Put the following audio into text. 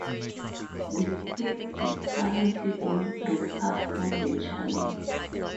The Hills is currently being broadcast on the channel.